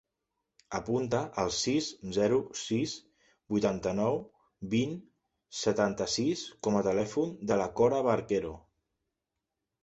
Apunta el sis, zero, sis, vuitanta-nou, vint, setanta-sis com a telèfon de la Cora Barquero.